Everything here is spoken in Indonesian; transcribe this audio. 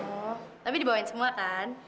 hmm tapi dibawain semua kan